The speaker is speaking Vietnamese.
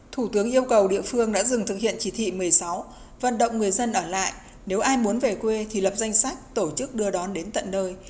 thủ tướng yêu cầu địa phương đã dừng thực hiện chỉ thị một mươi sáu vận động người dân ở lại nếu ai muốn về quê thì lập danh sách tổ chức đưa đón đến tận nơi